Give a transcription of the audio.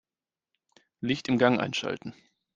Licht im Gang einschalten.